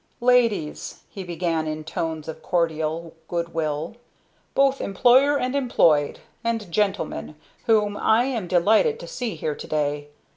"Ladies," he began in tones of cordial good will, "both employer and employed! and gentlemen whom I am delighted to see here to day!